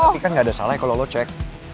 tapi kan gak ada salah ya kalo lo cek